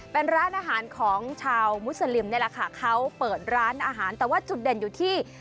เป็นร้านอาหารของชาวมุสลิมนี่แหละค่ะเขาเปิดร้านอาหารแต่ว่าจุดเด่นอยู่ที่